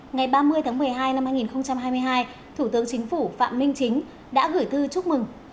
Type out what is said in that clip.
ngày ba mươi tháng một mươi hai năm hai nghìn hai mươi hai thủ tướng chính phủ phạm minh chính đã gửi thư chúc mừng